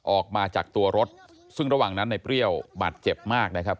ออกมาจากตัวรถซึ่งระหว่างนั้นในเปรี้ยวบาดเจ็บมากนะครับ